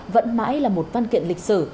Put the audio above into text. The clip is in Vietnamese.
vẫn mãi là một văn kiện lịch sử